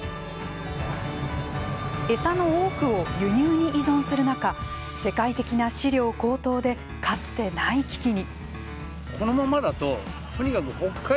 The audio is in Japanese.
エサの多くを輸入に依存する中世界的な飼料高騰でかつてない危機に。